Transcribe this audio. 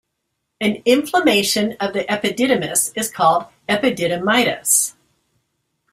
An inflammation of the epididymis is called epididymitis.